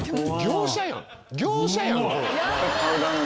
業者やん。